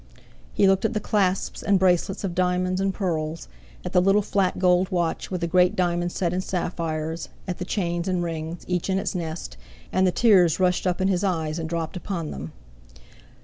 He looked at the clasps and bracelets of diamonds and pearls, at the little flat gold watch with a great diamond set in sapphires, at the chains and rings, each in its nest, and the tears rushed up in his eyes and dropped upon them.